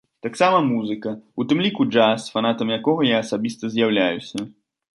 Таксама музыка, у тым ліку джаз, фанатам якога я асабіста з'яўляюся.